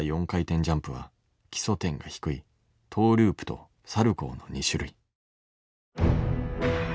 ４回転ジャンプは基礎点が低いトーループとサルコーの２種類。